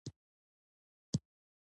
قدرت هره خبره د خپلې ګټې لپاره کاروي.